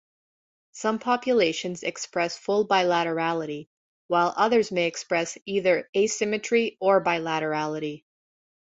Some populations express full bilaterality, while others may express either asymmetry or bilaterality.